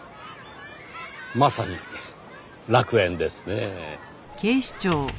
まさに楽園ですねぇ。